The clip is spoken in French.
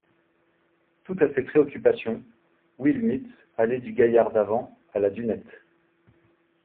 Tout à ses préoccupations, Will Mitz allait du gaillard d’avant à la dunette.